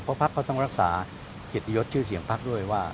เพราะพระพระเขาต้องรักษาคิดยศชื่อเสียงพระพุทธด้วยว่า